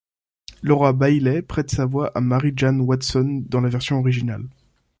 Laura Bailey prête sa voix à Mary Jane Watson dans la version originale.